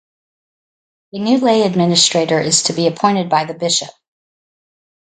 A new lay administrator is to be appointed by the Bishop.